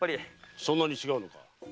そんなに違うのか？